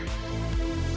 pln uid jakarta